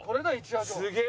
すげえ！